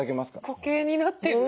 固形になってる。